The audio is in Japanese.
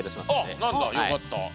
あっ何だよかった。